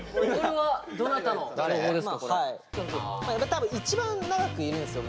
多分一番長くいるんすよ